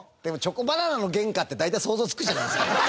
でもチョコバナナの原価って大体想像つくじゃないですか。